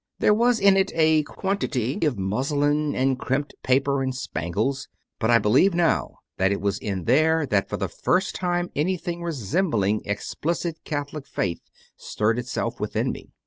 There was in it a quantity of muslin and crimped paper and spangles. But I believe now that it was in there that for the first time anything resembling explicit Catholic faith stirred itself within me.